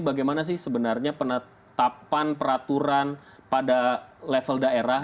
bagaimana sih sebenarnya penetapan peraturan pada level daerah